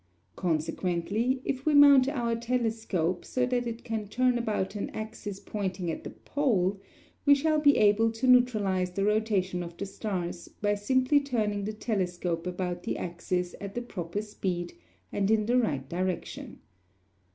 Consequently, if we mount our telescope so that it can turn about an axis pointing at the pole, we shall be able to neutralize the rotation of the stars by simply turning the telescope about the axis at the proper speed and in the right direction.